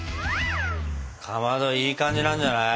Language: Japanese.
かまどいい感じなんじゃない？